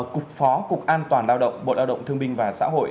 cục phó cục an toàn lao động bộ lao động thương binh và xã hội